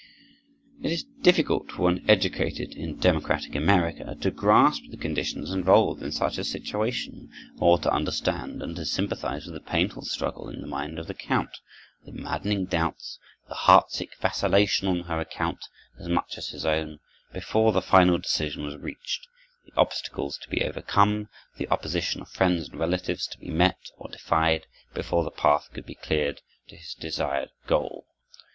It is difficult for one educated in democratic America to grasp the conditions involved in such a situation, or to understand and to sympathize with the painful struggle in the mind of the Count, the maddening doubts, the heart sick vacillation on her account, as much as his own, before the final decision was reached; the obstacles to be overcome, the opposition of friends and relatives to be met or defied, before the path could be cleared to his desired goal.